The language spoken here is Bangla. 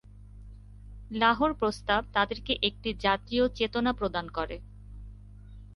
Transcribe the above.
লাহোর প্রস্তাব তাদেরকে একটি জাতীয় চেতনা প্রদান করে।